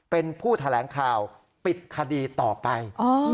เป็นผู้แถลงข่าวปิดคดีต่อไป